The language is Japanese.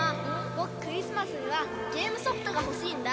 僕クリスマスにはゲームソフトが欲しいんだ。